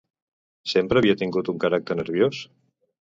Sempre havia tingut un caràcter nerviós?